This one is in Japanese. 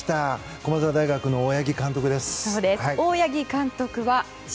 駒澤大学の大八木監督です。